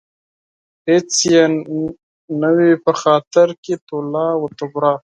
هېڅ يې نه وي په خاطر کې تولاً و تبرا